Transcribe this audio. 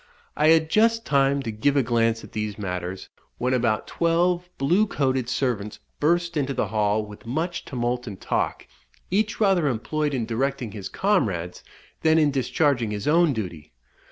I had just time to give a glance at these matters, when about twelve blue coated servants burst into the hall with much tumult and talk, each rather employed in directing his comrades than in discharging his own duty.